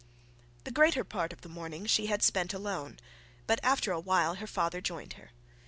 The greater part of the morning she had spent alone; but after a while her father joined her.